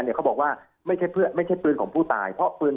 เขาบอกว่าไม่ใช่เพื่อนไม่ใช่ปืนของผู้ตายเพราะปืน